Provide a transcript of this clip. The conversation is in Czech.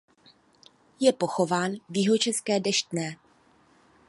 Je pochován v jihočeské Deštné.